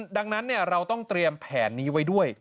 ดังนั้นเราต้องเตรียมแผนนี้ไว้ด้วย